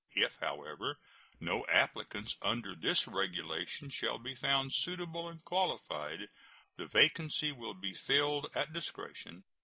If, however, no applicants under this regulation shall be found suitable and qualified, the vacancy will be filled at discretion.